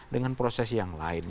dengan proses yang lain